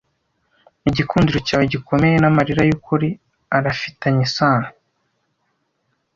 igikundiro cyawe gikomeye n'amarira yukuri arafitanye isano